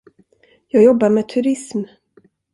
Jag jobbar med turism.